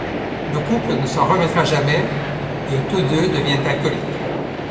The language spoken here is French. Le couple ne s'en remettra jamais et tous deux deviennent alcooliques.